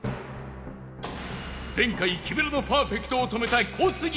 前回木村のパーフェクトを止めた小杉